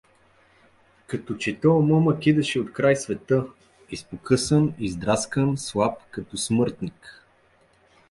Като че тоя момък идеше открай света: изпокъсан, издраскан, слаб като смъртник.